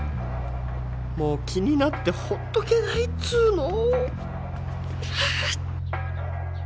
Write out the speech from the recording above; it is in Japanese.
もう気になってほっとけないっつうの！